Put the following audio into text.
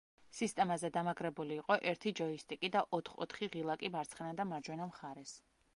სისტემაზე დამაგრებული იყო ერთი ჯოისტიკი და ოთხ-ოთხი ღილაკი მარცხენა და მარჯვენა მხარეს.